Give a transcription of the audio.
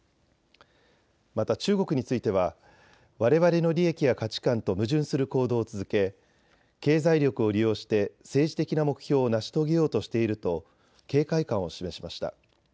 また中国についてはわれわれの利益や価値観と矛盾する行動を続け経済力を利用して政治的な目標を成し遂げようとしていると警戒感を示しました。